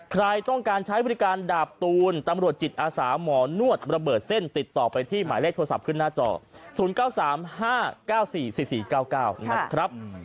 ใครต้องการใช้บริการดาบตูนตำรวจจิตอาสาหมอนวดระเบิดเส้นติดต่อไปที่หมายเลขโทรศัพท์ขึ้นหน้าจอ๐๙๓๕๙๔๔๙๙นะครับ